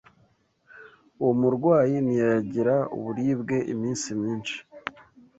uwo murwayi ntiyagira uburibwe iminsi myinshi